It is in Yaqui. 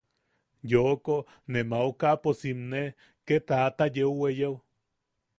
Yooko ne maokapo simne, kee taʼata yeu weyeo.